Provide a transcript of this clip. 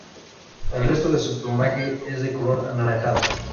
El resto de su plumaje es de color anaranjado.